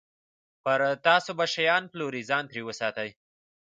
پر تاسو به شیان پلوري، ځان ترې وساتئ.